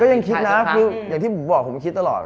ก็ยังคิดนะอย่างที่บอกผมคิดตลอด